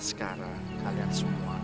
sekarang kalian semua